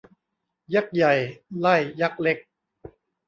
ยักษ์ใหญ่ ไล่ยักษ์เล็ก